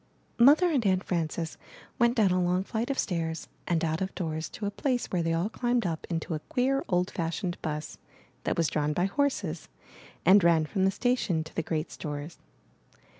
II. Mother and Aunt Frances went down a long flight of stairs and out of doors to a place where they all climbed up into a queer, old fashioned bus, that was drawn by horses, and ran from the sta tion to the great stores.